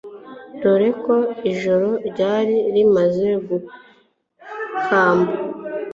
dore ko ijoro ryari rimaze gukamba